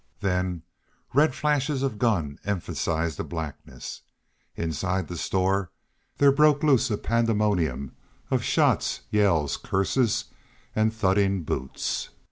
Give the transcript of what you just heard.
Then red flashes of guns emphasized the blackness. Inside the store there broke loose a pandemonium of shots, yells, curses, and thudding boots.